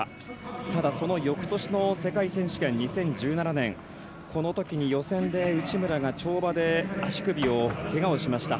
ただ、そのよくとしの世界選手権２０１７年このときに予選で内村が跳馬で足首をけがをしました。